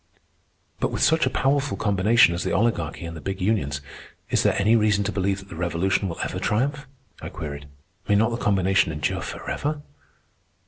"But with such a powerful combination as the Oligarchy and the big unions, is there any reason to believe that the Revolution will ever triumph?" I queried. "May not the combination endure forever?"